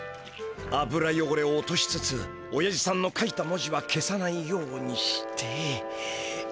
油よごれを落としつつおやじさんの書いた文字は消さないようにして。